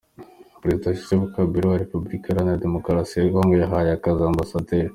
Perezida Joseph Kabila wa Repubukika iharanira Demokarasi ya Congo yahaye akazi Amb.